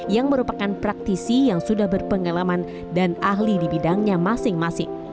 yang merupakan praktisi yang sudah berpengalaman dan ahli di bidangnya masing masing